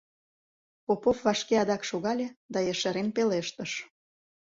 Попов вашке адак шогале да ешарен пелештыш: